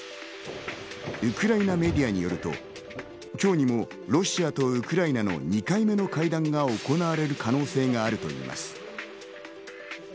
ウクライナメディアによると、今日にもロシアとウクライナの２回目の会談が行われる可能性があるといいます。